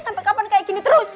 sampai kapan kayak gini terus